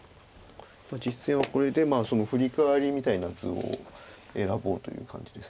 実戦はこれでフリカワリみたいな図を選ぼうという感じです。